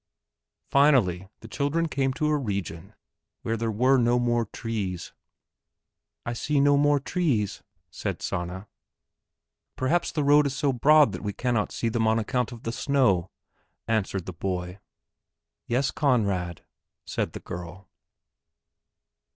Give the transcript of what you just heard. Finally the children came to a region where there were no more trees. "I see no more trees," said Sanna. "Perhaps the road is so broad that we cannot see them on account of the snow," answered the boy. "Yes, Conrad," said the girl.